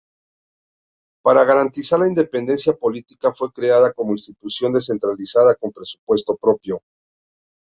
Para garantizar la independencia política, fue creada como institución descentralizada con presupuesto propio.